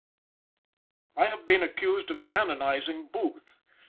I have been accused of cannonizing Booth.